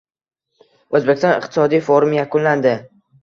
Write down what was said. O‘zbekiston iqtisodiy forumi yakunlandi